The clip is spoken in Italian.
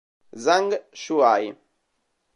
Zhang Shuai